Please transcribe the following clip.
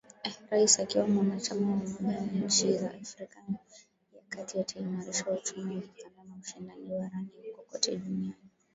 Rais akiwa mwanachama wa umoja wa inchi za Afrika ya kati ataimarisha uchumi wa kikanda na ushindani barani huko na kote duniani